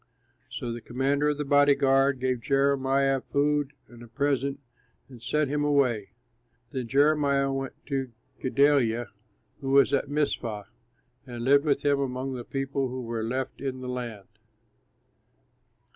So the commander of the body guard gave Jeremiah food and a present, and sent him away. Then Jeremiah went to Gedaliah, who was at Mizpah, and lived with him among the people who were left in the land.